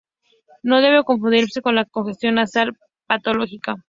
No debe confundirse con la congestión nasal patológica.